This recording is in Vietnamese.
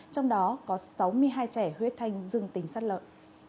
trong đó có sáu mươi hai trẻ huyết thanh dương tính sát lợn